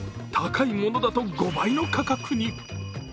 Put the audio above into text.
高いものだと５倍の価格に。